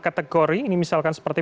kategori ini misalkan seperti